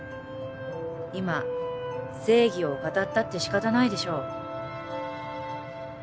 今正義を語ったって仕方ないでしょう